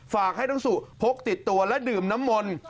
ฝากให้น้องสุพกติดตัวและดื่มน้ำมนต์